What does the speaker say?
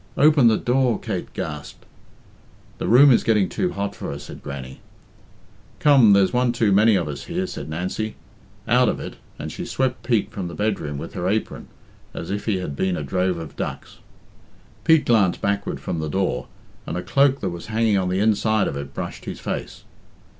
Open the door!" Kate gasped. "The room is getting too hot for her," said Grannie. "Come, there's one too many of us here," said Nancy. "Out of it," and she swept Pete from the bedroom with her apron as if he had been a drove of ducks. Pete glanced backward from the door, and a cloak that was hanging on the inside of it brushed his face.